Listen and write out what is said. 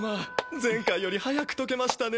前回より早く解けましたね。